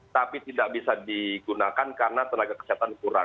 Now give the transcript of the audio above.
tapi tidak bisa digunakan karena tenaga kesehatan kurang